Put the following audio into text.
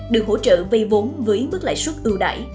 được hỗ trợ vây vốn với mức lãi suất ưu đại